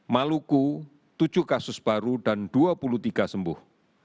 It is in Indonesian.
maluku tujuh kasus baru dan dua puluh tiga sembuh